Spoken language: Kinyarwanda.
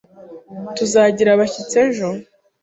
Tuzagira abashyitsi ejo.